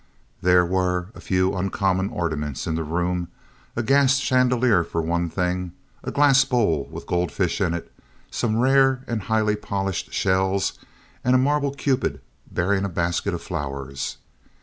There were a few uncommon ornaments in the room—a gas chandelier for one thing, a glass bowl with goldfish in it, some rare and highly polished shells, and a marble Cupid bearing a basket of flowers.